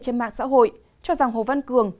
trên mạng xã hội cho rằng hồ văn cường